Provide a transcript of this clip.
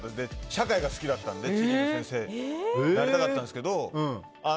社会が好きだったので地理の先生になりたかったんですけど。